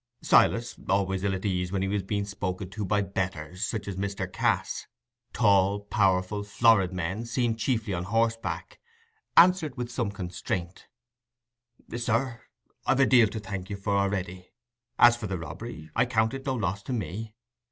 Silas, always ill at ease when he was being spoken to by "betters", such as Mr. Cass—tall, powerful, florid men, seen chiefly on horseback—answered with some constraint— "Sir, I've a deal to thank you for a'ready. As for the robbery, I count it no loss to me.